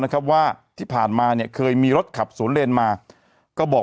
นะครับว่าที่ผ่านมาเนี่ยเคยมีรถขับสวนเลนมาก็บอก